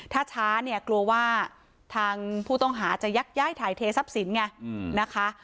ถ้าช้าเนี่ยกลัวว่าทางผู้ต้องหาจะยักย้ายถ่ายเททรัพย์สินไงนะคะ